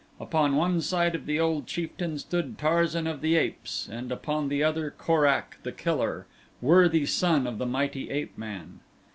Upon one side of the old chieftain stood Tarzan of the Apes, and upon the other Korak, the Killer, worthy son of the mighty ape man.